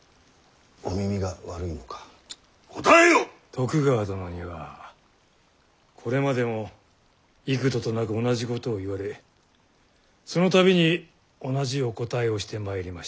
徳川殿にはこれまでも幾度となく同じことを言われそのたびに同じお答えをしてまいりましたが。